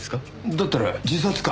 だったら自殺か？